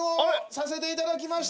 させていただきました。